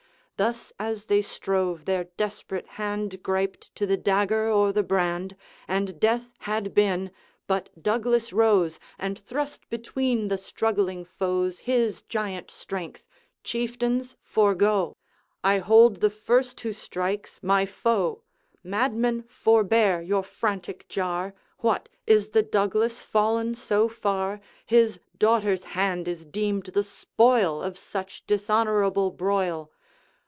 Thus as they strove their desperate hand Griped to the dagger or the brand, And death had been but Douglas rose, And thrust between the struggling foes His giant strength: ' Chieftains, forego! I hold the first who strikes my foe. Madmen, forbear your frantic jar! What! is the Douglas fallen so far, His daughter's hand is deemed the spoil Of such dishonorable broil?'